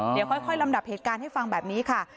เดี๋ยวค่อยลำดับเหตุการณ์ให้ฟังแบบนี้ค่ะ